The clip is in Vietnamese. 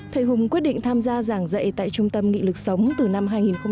thầy hùng quyết định tham gia giảng dạy tại trung tâm nghị lực sống từ năm hai nghìn một mươi